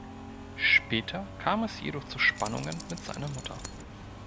Später kam es jedoch zu Spannungen mit seiner Mutter.